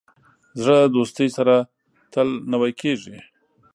زړه د دوستۍ سره تل نوی کېږي.